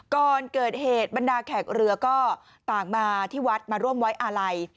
ก่อนเกิดเหตุบรรดาแขกเรือก็ต่างมาที่วัดมาร่วมไว้อาลัย